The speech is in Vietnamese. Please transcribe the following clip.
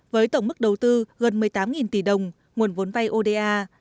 với tổng mức đầu tư gần một mươi tám tỷ đồng nguồn vốn vay oda